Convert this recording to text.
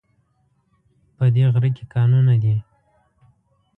په دی غره کې کانونه دي